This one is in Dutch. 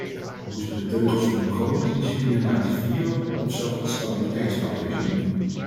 Moeten we de teugels van de begrotingsdiscipline laten vieren, of zelfs het stabiliteitspact herzien?